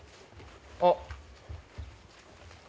あっ。